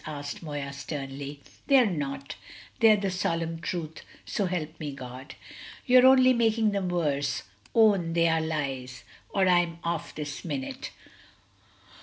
asked Moya sternly. "They're not, they're the solemn truth, so help me God!" "You're only making them worse; own they are lies, or I'm off this minute."